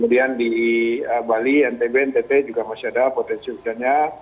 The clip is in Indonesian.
kemudian di bali ntb ntt juga masih ada potensi hujannya